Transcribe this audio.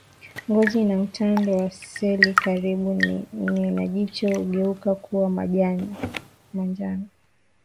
Ngozi na utando wa seli karibu na jicho hugeuka kuwa manjano